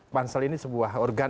pansel ini sebuah organ